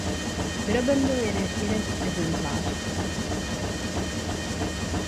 Vyroben byl jen jeden exemplář.